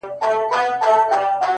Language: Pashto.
• چي ورته سر ټيټ كړمه ـ وژاړمه ـ